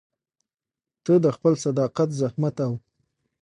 ته د خپل صداقت، زحمت او